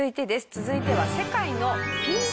続いては。